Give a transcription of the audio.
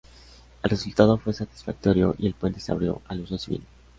El resultado fue satisfactorio y el puente se abrió al uso civil.